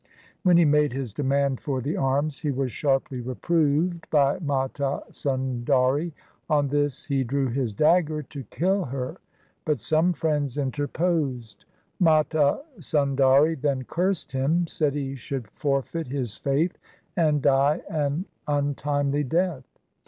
When he made his demand for the arms he was sharply reproved by Mata Sundari. On this he drew his dagger to kill her, but some friends inter posed. Mata Sundari then cursed him, said he should forfeit his faith, and die an untimely death.